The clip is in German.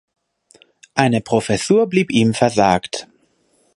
Eine Professur blieb ihm versagt.